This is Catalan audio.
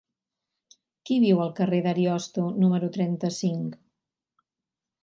Qui viu al carrer d'Ariosto número trenta-cinc?